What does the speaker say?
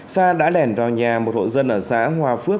sa đã lèn vào nhà một hộ dân ở xã hòa phước